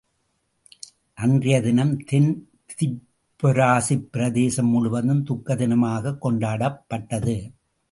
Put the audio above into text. அன்றையதினம் தென் திப்பெராசிப் பிரதேசம் முழுவதும் துக்கத்தினமாகக் கொண்டாடப்பட்டது.